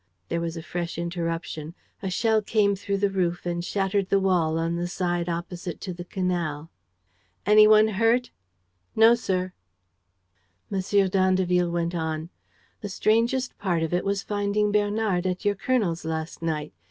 ..." There was a fresh interruption. A shell came through the roof and shattered the wall on the side opposite to the canal. "Any one hurt?" "No, sir." M. d'Andeville went on: "The strangest part of it was finding Bernard at your colonel's last night.